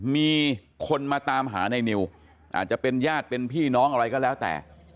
มีคนมาตามหาในนิวอาจจะเป็นญาติเป็นพี่น้องอะไรก็แล้วแต่